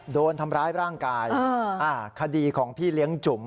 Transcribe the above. โดนทำร้ายร่างกายคดีของพี่เลี้ยงจุ๋ม